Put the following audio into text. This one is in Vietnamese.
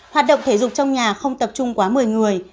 hoạt động thể dục trong nhà không tập trung quá một mươi người